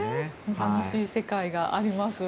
新しい世界があります。